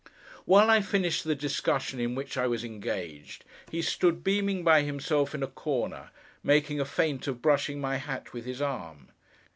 While I finished the discussion in which I was engaged, he stood, beaming by himself in a corner, making a feint of brushing my hat with his arm.